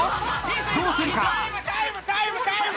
どうするか？